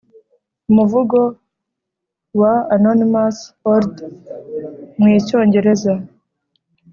umuvugo wa anonymous olde mu icyongereza